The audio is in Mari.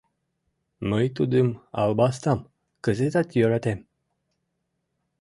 Мый тудым, албастам, кызытат йӧратем.